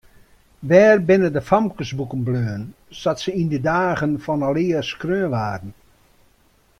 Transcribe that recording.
Wêr binne de famkesboeken bleaun sa't se yn de dagen fan alear skreaun waarden?